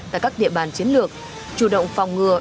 tại các địa bàn chiến lược chủ động phòng ngừa